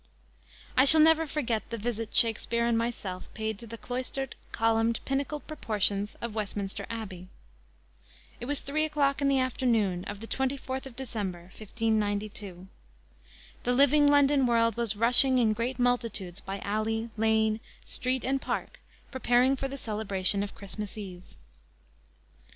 _ I shall never forget the visit Shakspere and myself paid to the cloistered, columned, pinnacled proportions of Westminster Abbey. It was three o'clock in the afternoon of the 24th of December, 1592. The living London world was rushing in great multitudes by alley, lane, street and park preparing for the celebration of Christmas Eve.